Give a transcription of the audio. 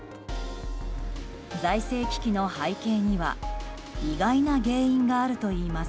財政危機の背景には意外な原因があるといいます。